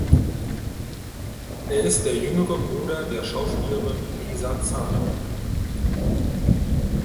Er ist der jüngere Bruder der Schauspielerin Lisa Zane.